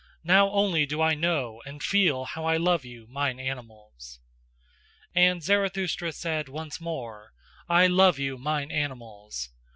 Now only do I know and feel how I love you, mine animals." And Zarathustra said once more: "I love you, mine animals!"